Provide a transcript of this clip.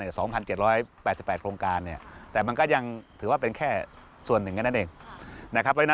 ตรง๑๗๘๘โครงการแต่มันก็ยังถือว่าเป็นแค่ส่วนหนึ่งอย่างนั้นเอง